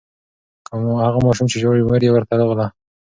هغه ماشوم چې ژاړي، مور یې ورته راغله.